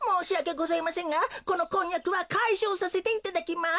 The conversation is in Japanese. ございませんがこのこんやくはかいしょうさせていただきます。